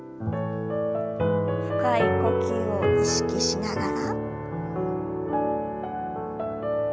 深い呼吸を意識しながら。